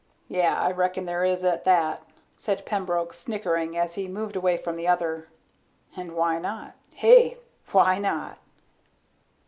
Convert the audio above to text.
"Yeah, I reckon there is at that," said Pembroke, snickering again as he moved away from the other. "And why not? Hey? Why not?"